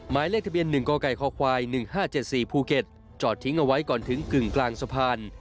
หมายเลขทะเบียน๑กกคควาย๑๕๗๔ภูเก็ตจอดทิ้งเอาไว้ก่อนถึงกึ่งกลางสะพาน